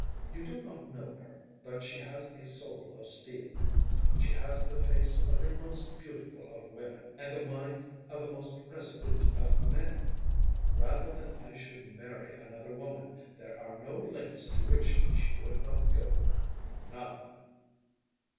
You do not know her, but she has a soul of steel. She has the face of the most beautiful of women, and the mind of the most resolute of men. Rather than I should marry another woman, there are no lengths to which she would not go‚ÄĒnone.